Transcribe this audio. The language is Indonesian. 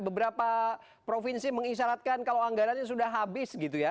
beberapa provinsi mengisyaratkan kalau anggarannya sudah habis gitu ya